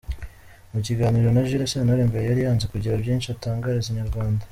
Mu kiganiro na Jules Sentore, mbere yari yanze kugira byinshi atangariza Inyarwanda.